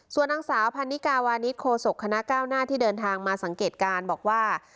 ส่วนนางสาวพันนิกาวานิสโคศกคณะก้าวหน้าที่เดินทางมาสังเกตการณ์บอกว่า